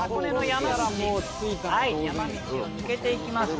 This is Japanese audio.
山道を抜けて行きます